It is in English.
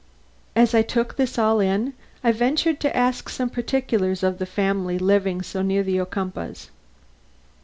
] As I took this all in, I ventured to ask some particulars of the family living so near the Ocumpaughs.